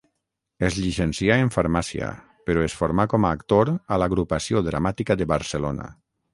Es llicencià en farmàcia però es formà com a actor a l'Agrupació Dramàtica de Barcelona.